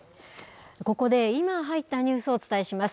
ここで今、入ったニュースをお伝えします。